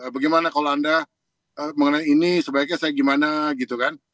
bagaimana kalau anda mengenai ini sebaiknya saya gimana gitu kan